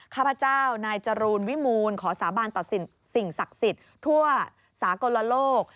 ข้าพเจ้านายจรูลวิมูลขอสาบานต่อสิ่งศักดิ์สิทธิ์ทั่วสากลโลก